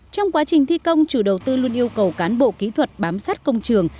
trong quá trình thi công chủ đầu tư luôn yêu cầu cán bộ kỹ thuật bám sát công trường